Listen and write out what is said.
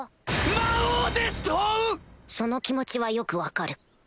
魔王ですと⁉その気持ちはよく分かる